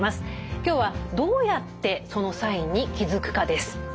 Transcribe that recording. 今日はどうやってそのサインに気付くかです。